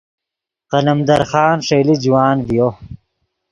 قلمدر خان ݰئیلے جوان ڤیو